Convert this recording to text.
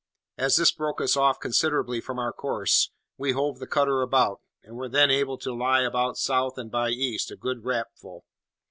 As this broke us off considerably from our course, we hove the cutter about, and were then able to lie about south and by east, a good rap full.